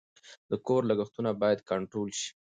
د کور لګښتونه باید کنټرول شي.